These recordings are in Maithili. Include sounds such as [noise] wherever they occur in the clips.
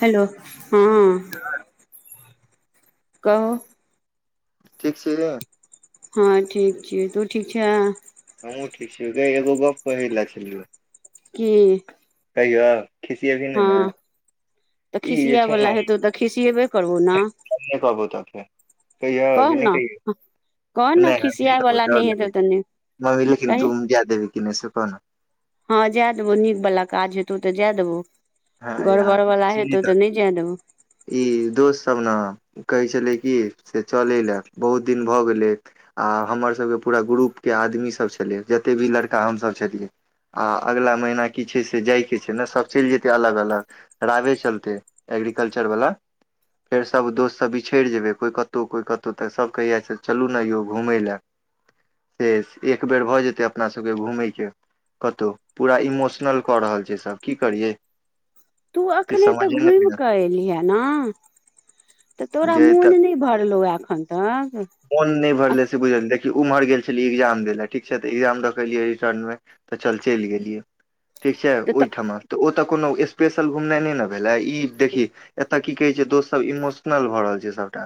हेलो हँ आ कहू ठीक छिये हँ ठीक छिये तू ठीक छै हमू ठीक छिये गाइ एगो गप्प कहे लए छलियौ की कहियौ खिसियेब ही नइ ने हँ तऽ ई जे छौ ने खिसियियावला हम हेतौ तऽ खिसियएबे करबहु ना नहि कहबौ तऽ फेर कहियौ अ की नहि कह कहियऊ ने नइ आब नइ खिसिया कहबऊ वाला डोर नहि हेतौ लगइ तऽ नहि मम्मी देखिने कही तु जे देबही की नइ से कह न हँ जाए देबौ नीक वला काज हेतौ तऽ जेए देबौ हँ यार गड़बड़ वाला सुन ली हेतौ त तऽ नहि जाय देबो ई दोस्त सब न कहै छलै कि से चलय लए बहुत दिन भऽ गेलै आ हमरसभके पूरा ग्रुपके आदमी सब छलै जते भी लड़का हमसभ छलियै आ अगला महिना की छै से जाय के छै ने सभ चलि जेतैय अलग अलग रवे चलते एग्रीकल्चर वाला फेर सभ दोस्तसभ बिछड़ि जेयबै कोइ कतहु कोइ कतहु तऽ सभ कहिय से चलू ने यौ घूमय लए से एक बेर भऽ जेतैय अपना सभके घूमयके कतो पूरा इमोशनलक रहल छैय सब करिए तू एखने तऽ घूमि कऽ एलिहे न जे तऽ एखन तक मोन नहि भरले से बुझल देखि उम्हर गेल छलियै एग्जाम दै लए ठीक छै तऽ ए्जाम द के लियै री ठीक छै तऽ ओहिठमा तऽ ओतऽ कोनो स्पेशल घुमनाइ नहि ने भेले ई देखी एत की कहै छै दोस्तसभ इमोशनल भऽ रहल छै सभटा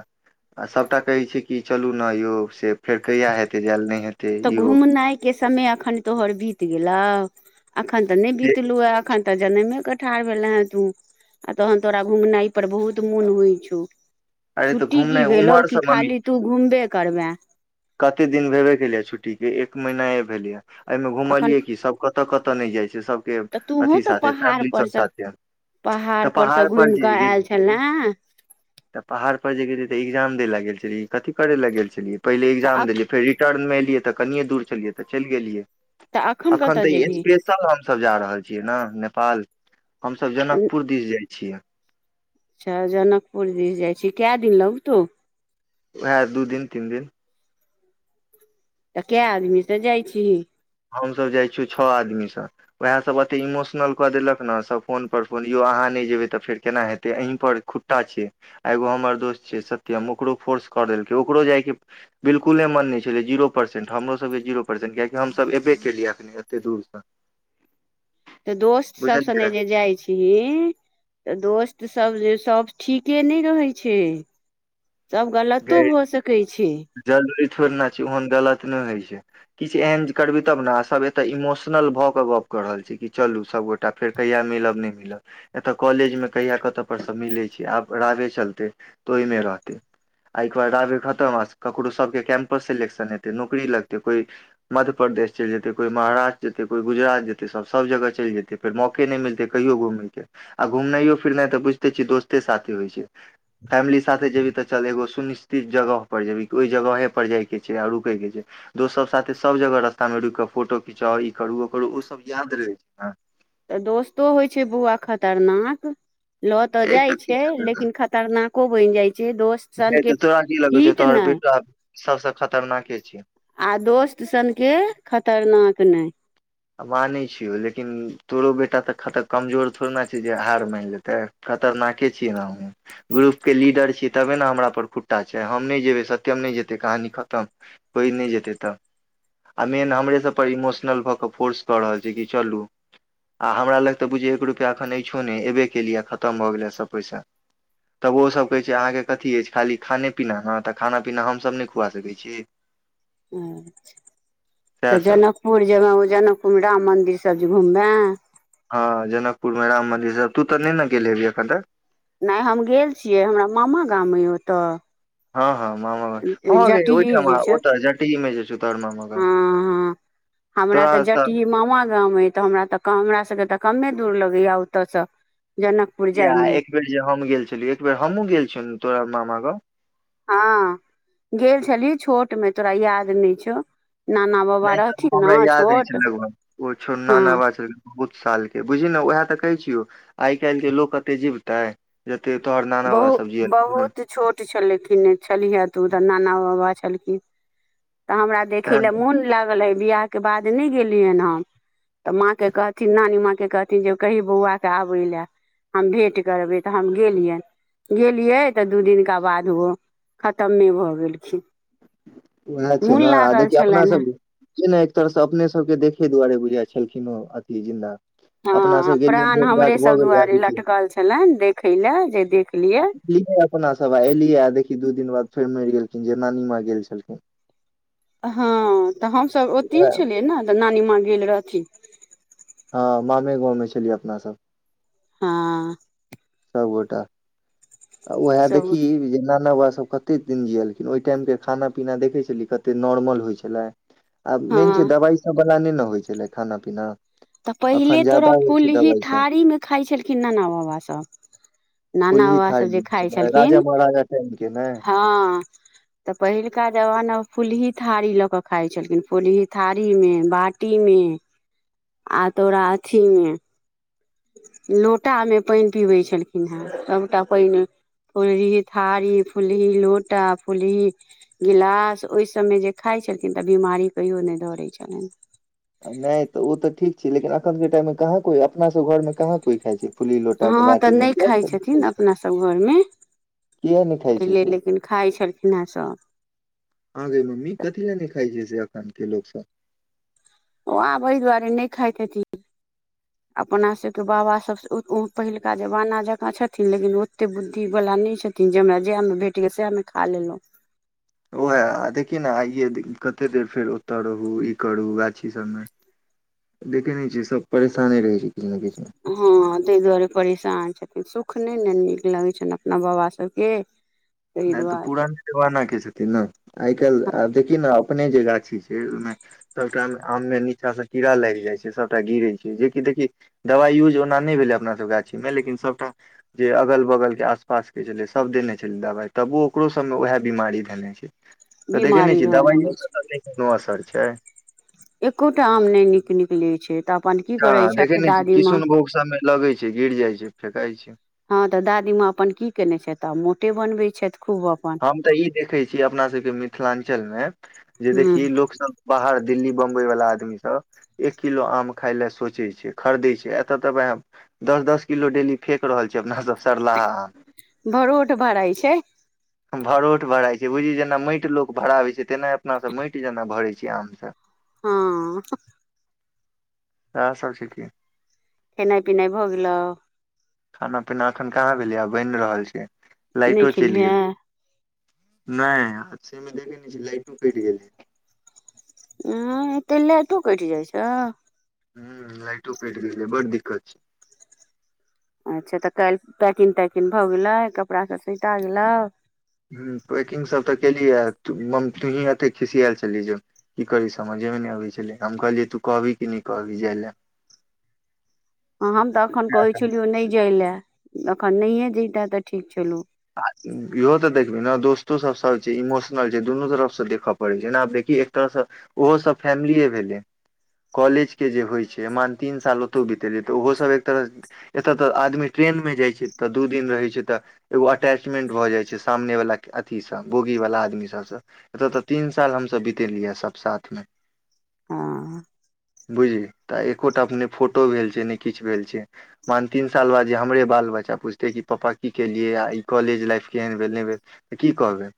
आ सभटा कहै छै कि चलू ने यौ से फेर कहिया हेते जाय ल नहि हेतै तऽ ई ओ घूमनाइ के समय अखन तोहर बीत गेलौ अखन त नहि बीतलूऐ अखन तऽ जनमे के ठाढ़ भेले हे तू आ तहन तोरा घुमनै पर बहुत मोन हौ छौ अरे तऽ छुट्टी घुमनै की भेलौ कि उमरसँ मम्मी खाली तू घुमबे करबे कते दिन भेबे केलैय छुट्टी ठीके एक महीना भेलैय या एहिमे अखन घुमलियै की सब कतऽ कतऽ नहि जाइ छै सबके तऽ तूहों अथी तऽ साथे पहाड़ फैमिली पर सब से साथे तऽ से पहाड़ पर घुमि जे कऽ आयल गेलियै छलें तऽ पहा पहार पर जे गेलियै त एग्जाम दैले गेल छलियै कथी करेलै गेल छलियै पहि तऽ एकग्जाम अ देलियै फेर रिटर्न मे एलि त कनिये दूर छलियै त चली गेलियै तऽ अखन कतऽ त जेबही अस्पेशल हम सभ जा रहल रहल छियै न नेपाल हम सभ जनकपुर दिस जै छियै अच्छा जनकपुर दिस जै छी कै दिन लगतौ उहै दू दिन तीन दिन तऽ कै आदमी से जाइ छीही हम सब जाइ छियौ छ आदमी सो वेह सब एते इमोशनल कऽ देलक न सब फोन पर बोलियौ अहा नै जेबै त फेर केना हेत एहिं खुटटा छै एगो हमर दोस्त छै सत्य ओकरो फोर्स कर ऐस्ट्रो जैके बिलकुले मन नै छलै जीरो परसेंट हमरो सब के जीरो परसेंट किया कि हम सब एबे केलियै अखनी एते दूरसँ तऽ दोस्त सब सगे जे जाइ छीही तऽ दोस्त तऽ सभ जे सभ ठीके नहि रहै छै सभ गलतो भऽ सकै छै जरूरी थोड़े ने छै ओहन गलत नहि हहौ छै किछु एहन करबी तब न सब एत इमोशनल भऽ क गप क रहल छै कि चल सबगो फेर कहिया मिलब नहि मिलब एत कॉलेजमे कहिया कत पर सभ मिलै छै आ चलते तो ओहीमे रहतय आ ऐ क बाद रावे खतम ककरो सबके कैंपस सेलेक्शन हेतै नौकरी लगते कोई म प्रदेश चलि जेतैय कोइ महाराष्ट्र जेतै कोइ गुजरात जेतै सभ सभ जगह चलि जेतै फेर मौके नहि मिलतै कहि घु घुमनैयो फिरनै त बुझिते छहि दोस्ते साथे हौ छै फैमली साथे जेबही त चल एगो सुनिश्चित जगह पर जेही कोइ जगहे पर जाय के छै आ रुकै के छै दोस्त सब साथे सब जगह रास्तामे रुक कऽ फोटो खिचा ई करु ओ करु ओ सब याद रहै छै न तऽ दोस्तो हौ छै बौआ खतरनाक लऽ तऽ एक जाय कथी छै लेकिन खतरनाको बनि जाय छै दोस्त सनके तोरा की लगै छौ हित तोहर नहि बेटा सबसे खतरनाके छिये आ दोस्त सनके खतरनाक नहि मानै छियौ लेकिन तोरो बेटा तऽ खत कमजोर थोड़े नै छै जे हार मानि लेतै खतरनाके छियै हम ग्रुप के लीडर छीयै तबे न हमरा पर खुट्टा छै हम नहि जेयबै सत्यम नै जेतै कहानी खतम कोइ नहि जेतै तऽ आ मेन हमरे सब पर इमोशनल भऽ क फोर्स कऽ रहल छै कि चलू आ हमरा लग तऽ बुझियै एक रुपैआ एखन अछिछो नहि एबे कयेलैआ खतम भऽ गेलै सभ पैसा तब ओसभ कहैत छै अहाँके कथी अछि खाली खाने पीना न तऽ खाना पीना हमसभ नहि खुआ सकैत छीयै [unintelligible] तऽ सब जनकपुर जेबे ओ जनकपुरमे राम मंदिर सब जे घुमबे हँ जनकपुरमे राम मन्दिर सब तू तऽ नहि ने गेलेबही एखन तक नहि हम गेल छियै हमरा मामा गाम ऐ ओतऽ हँ हँ मामा हगे जटिही ओहिठाम जे छै ओ तऽ एकहीमे हँ हँ हमरा तऽ जटही मामा गाम ऐ तऽ हमरा तऽ हमरा सबके तऽ कमे दूर लगैया ओतऽसँ य एक बेेर जे हम गेल छलियौ एक बेर हमहुँ गेल छियौ तोरा मामा गाम हँ गेल छलही छोटमे तोरा याद नहि छौ नाना बाबा नहि तऽ ओ रहथिन हमरा ने याद अछौ छोट लगभग ओ छौ हँ नाना बा छल बहुत साल के बुझल न उहे तऽ [unintelligible] आइ काल्हि लोक कते जीबतै बहु बहुत छोट छलथिन छलिहे तु तऽ उ नाना बौआ छलखिन त हमरा देखै ला मोन लागल रहि बियाह के बाद नहि गेलियन हम तऽ माँके कहथिन नानी माँके कहथिन जे कही बौआके आबै लए हम भेट करबै तऽ हम गेलियन गेलियै तऽ दू दिनका बाद ओ खतमे भऽ गेलखिन उएह छै मोन ने आ लागल देखिय अपना छलनि सबके ने एक तरहसे अपने सबके देखे दुआरे बुझा छै छलखिन ओ अति जिन्दा अपना हाँ सब गेलियै प्राण भेट घाट भऽ हमरेसब गेलै आ दुआरे देखियौ लटकल छलनि देखय लए जे देख लियै अपना सब आ एलियै आ देखी दू दिन बाद फेर मरि गेलखिन जे नानी माँ गेल छलखिन हँ तऽ हमसब ओतहिए छलियै न तऽ नानी माँ गेल रहथिन हँ मामे गाँवमे छलियै अपनासब हाँ सब गोटा आ इ सब देखी जेना खना बाबा सब कते दिन जियलखिन ओहि टाइमके खाना पीना देखै छलियै कते नॉर्मल होइ छलै आब हँ मेन छै दबाई सब वला नहि ने होइ छलै खाना पीना तऽ पहिले अखन तोरा ज्यादा होइ फूल छै ही दवाइ सब थारी मे खाइत छलखिन नाना बाबा सब नाना फूलही बाबा सब थारी जे होइ खाई छलै छलखिन राजा महाराजा टाइम के ने हाँ तऽ पहिलुका जमाना फूलही थारी लऽ कऽ खाइत छलखिन फूलही थारीमे बाटीमे आ तो अथीमे लोटामे पाइन पीबैत छलखिन हे सबटा पाइन फूलही थारी फूलही लोटा फूलही गिलास ओहि सबमें जे खाय छलखिन तऽ बिमारी कहियो नहि दौड़े छलन नहि तऽ ओ तऽ ठीक छै लेकिन एखनके टाइममे कहाँ कोइ अपनासब घरमे कहाँ कोइ खाई छै फुली लोटा हाँ तऽ बाटी मे नहि किया खाई सब नहि छथिन खाइ छै, अपनासब घरमे किया नहि खाइ छै पहिले से लेकिन खाई छलखिन हे सब आ गे मम्मी कथि लएने खाय छै से अखन के लोक सब ओ आब एय दुआरे नहि खाय हेथिन अपना सबके बाबा सब ओ पहिलका जमाना जकाँ छथिन लेकिन ओते बुद्धि बला नहि छथिन जे हमरा जएहमे भेटय सएहमे खा लेलहुँ ओहए आ देखी ने आइयए कतेक देर फेर ओतय रहू ई करू गाछी सबमे देख नहि छी सब परेशानी रहै छै किछु ने किछु मे। हाँ तै दुआरे परेसान छै सुख नइ ने नीक लगै छइन अपना बाबासबके नहि तऽ पुराने जमाना के छथिन ने आइ काल्हि आब देखि न अपने जे गाछी छै ओहिमे सबटा मे आम मे नीचा से कीड़ा लाइग जाय छै सबटा गिरे छै जेकि देखि दवाइ यूज ओना नइ भेल अपना सब गाछी मे लेकिन सबटा जे अगल बगल के आसपास के सब देने छलै दवाई तबो ओकरो सब मे उएहे बीमारी धेने छै तऽ देखैने बीमारी छियै धऽ लेने दबाइोसे छै त नइ कोनो असर छै एकोटा आम नय नीक निकलै छै त ह देखे ने छी किशुनभोग सबमे लगे छै गिर जाइ छै फेेकाई छै हँ तऽ दादीमाँ अपन की केयने छथ त अपन मोटे बनबै छैथ हम तऽ ई देखैत छी अपना सबके मिथिलाञ्चल मे जे हूँ देखिय लोकसब बाहर दिल्ली बम्बई वला आदमी सब एक किलो आम खाई ल सोच छै खरदै छै एतअ त बाई द दस दस किलो डेली फेक रहल छिये अपना सब सरलाहा आम भरोट भराई छै भरोठ भराइ छै बुझिय जेना माटि लोक भराबै छै तेना अपनासँ माटि जेना भरै छी आम सब हाँ सैह सब ठीके खेनाई पिनाई भऽ गेलौ खाना पीना एखन कहाँ भेलै आ बइन रहल छै नहि लाइटो चलि खेलिहे गेल नहि आ सेमे देखै नहि छी लाइटो कटि गेलै हे तऽ लेटो तो कठि जाइ छउ ह लाइटो फेट गेलै बड़ दिक्कत छै अच्छा तऽ कहिल पैकिंग तैकिंग भऽ गेलै कपड़ाभ सेता गेलउ ह पैकिंग सब तऽ केली ह मम तुही अते खिसियाल छलहि जे की करी समझ नइ अबै छलै हम कहलियै तू कहबी कि नहि कहबी जाय लए [inaudible] हम तऽ एखन कहै छलियौ नहि जाय लए एखन नहिए जैते तऽ ठीक छलहुँ इहो तऽ देखबै ने दोस्तो सब सब छै इमोशनल छै दुनू तरफसँ देखऽ पड़े छै ने अब देख कि एक तरहसँ ओहो सब फैमलीए भेलै कॉलेज के जे होइ छै मान तीन साल ओतौ बितेलियै तऽ ओहोसभ एक तरह एतअ त आदमी ट्रेन मे जाइ छै तऽ दू दिन रहै छै तऽ एगो अटैचमेंट भ जाय छै सामने वाला के अथी सँ बोगी वाला आदमी सब सँ एतअ त तीन साल हम बीतेलियै सब साथमे हँ बुझी त एकोटा अप ने फोटो भेल छै ने किछु भेल छै मान तीन साल बाद जे हमरे बाल बच्च बच्चा पुछते कि पापा की केलियै आ ई कॉलेज लाइफ केहन भेल नहि भेल की कहबै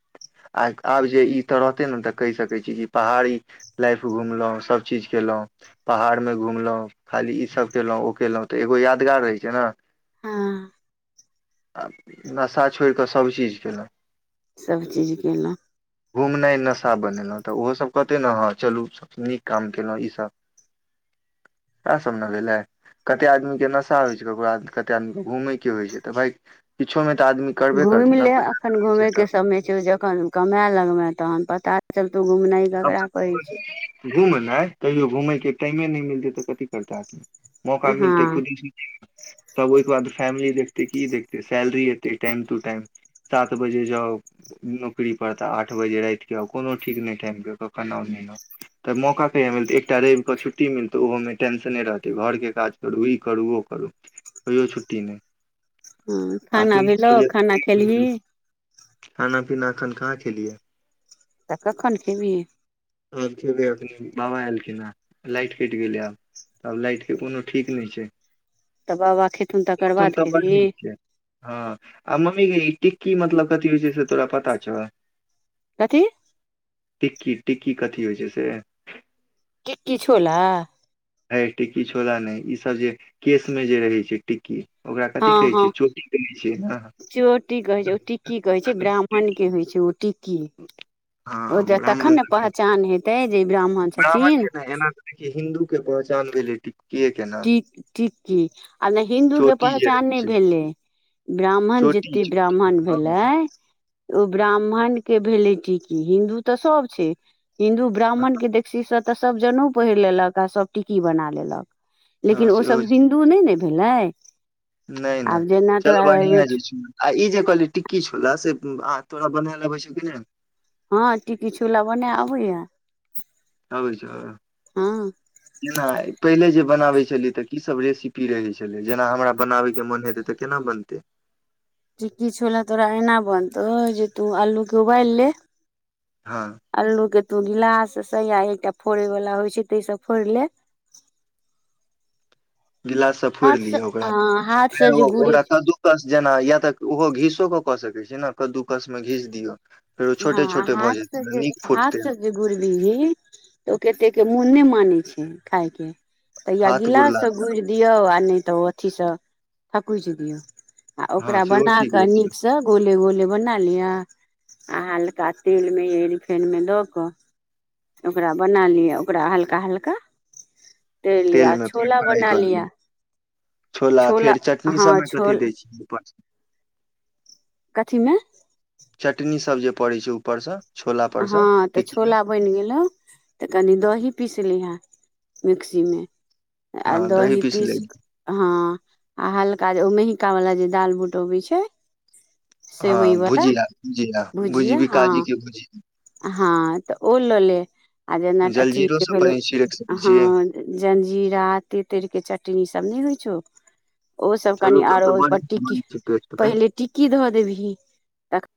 आ आब जे ई तऽ रहते ने तऽ कहि सकैत छी कि पहाड़ी लाइफ घुमलहु सभ चीज केलहुं ता पहाड़ं घुमलहुँं खाली ई सब केलहुँ ओ केलहुँ तऽ एगो यादगार रहै छै न हँ आ नशा छोड़ि कऽ सभचीज कयेलहुँ सभचीज केलहुँ घुमनाइ नशा बनेलहुँ तऽ ओहो सब कहते ने हँ चलू सब नीक काम केलहुँ ईसभ [unintelligible] कते आदमी के नशा होइ छै ककरो कते आदमी के घूमेय के होइ छै तऽ भाई किछो मे घुमि ले एखन घूमेके तऽ समय छै जखन कमे लगबे तहन पता चल घुमनाइ कहियो घुमयके टाइमे नहि मिलतै तऽ कथी करतै आदमी मौका मिलतै हँ खुद तब ओहिके बाद फेमली देखतइ की इ देखतै सेलरी एते टाइम टू टाइम सात बजे जाउ नौकरी पर तऽ आठ बजे राति के आउ कोनो ठीक नहि टाइम के [unintelligible] तऽ मौका कहिय मिलत एकटा रविके छुट्टी मिलतै ओहो मे टेंशने रहते घर के के काज करू ई करू ओ करू कहियो छुट्टी नहि हँ खाना भेलौ खाना खेलही [unintelligible] पिना एखन कहाँ खेलियै तऽ कखन खेबही आब खेबइ अभी बाबा ऐलखिन पिना लाइट कटि गेलै आब आब लाइट के कोनो ठीक नहि छै तऽ बाबा खेथुन तकर ओन बाद त ब खेबही छै [unintelligible] हँ आ मम्मी ग टिक्की मतलब कथी होइ छै से तोरा पता छौ कथी टिक्की टिक्की कथी होइ छै से टिक्की छोला हे टिक्की छोला नहि ईसभ जे केशमे जे रहै छै टिक्की ओकरा हँ कथि कहै हँ छै चोटी कहै छियै न चोटी कहै छै ओ टिक्की कहे छै ब्राह्मण के होइ छै ओ टिक्की ओ हँ ज ब्राह्मण तखन ने सबके, पहचान हेतै जे ब्राह्मण छथिन के नए एना त देख हिन्दू के पहचान भेलै टी टि टिक्की आब नहि हिन्दूके चोटी जे रहे पहचान नहि छै भेलै ब्राह्मण चोटी जते चोटी ब्राह्मण हँ भेलै ओ ब्राह्मण के भेलै टिक्की हिन्दू तऽ सभ छै हिन्दू ब्राह्मण के देखसी से तऽ सब जनेऊ पहिर लेलक आ सब टिकी बना लेलक हँ लेकिन ओ सेहो सब छै हिन्दू नहि ने भेलै नहि नहि आब जेना चल तोरा बढ़िया छै चु [unintelligible] आ ई जे कली टिकी छौला से तोरा बनै लबै छौ कि ने हँ टीकी छोला बनै आबैया आबै हँ छौनाहि पहिले जे बनाबे छलियै तऽ की सब रेसिपी रहै छलै जेना हमरा बनाबै के मन हेतै तऽ केना बनतै जे किछु लए तोरा एना बनतौ जे तू आलूकेँ उबाइल ले हँ आलोग तू गिलाससँ या एकटा फोड़ै वला होइ छै तैइ सब फोइड़ ले [inaudible] गिलास से फोड़ हाथ लिय ओकरा हँ हाथ फे से जे गुड़े ओकरा कद्दू कस जेना या तऽ ओहो घीस तो को क सकै छै न कदू कस मे घीच दिय हँ हाथ से जे हाथ फुटतै से जे घुरबी तऽ ओ कते के मु नै मानै छै खाय के त हाथ गिलास गुड़ला गूइर दियौ त‌ ओ अथि स थकुइच दियौ आ हँ ओकरा सेहो बनाक ठीक रहै छै नीक सँ गोले गोले बना लिअ आ हलका तेलमे रिफेनमे दऽ कऽ ओकरा बना लिअ ओकरा हल्का हल्का तैर लिया तेल आ मे फेर छोला फ्राइ बना कऽ लिया दियौ छोला फेर चटनी सबमे कथी दै छियै उपर कथीमे चटनी सब जे पड़ै छै ऊपर सँ हँ तऽ छोला बैन गेलौ तऽ कनी दही पीसलीहै मिक्सी मे आ दही पीस हँ आ हल्का जे ओ मेहिका बला जे दाल बुट अबै छै सेवइ हँ वाला भुजिया जी हँ भुज भुजिया हँ बिकाजी के भुजिया हँ तऽ ओ लऽ ले आ जेना अथि जलजीरो के सब भेलौ कनि छिड़क सकै हँ छियै जंजीरा तेतैरके चटनी सब नहि होइ छौ ओसभ कनि चलू तब आरो तऽ बड ओहिपर नीक टिकी बनै छै टेस्ट मे पहिले टिकी धऽ देबही त